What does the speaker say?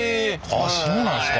あっそうなんですか。